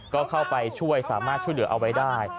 ก็เข้าไปช่วยสามารถช่วยเหลือเอาไว้ได้